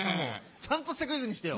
ちゃんとしたクイズにしてよ。